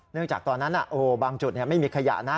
จากตอนนั้นบางจุดไม่มีขยะนะ